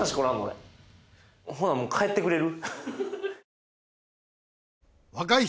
俺ほなもう帰ってくれる？